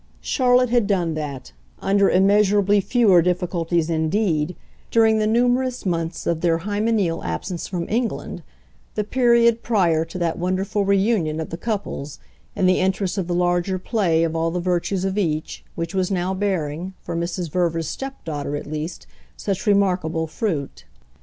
Charlotte had done that under immeasurably fewer difficulties indeed during the numerous months of their hymeneal absence from England, the period prior to that wonderful reunion of the couples, in the interest of the larger play of all the virtues of each, which was now bearing, for Mrs. Verver's stepdaughter at least, such remarkable fruit.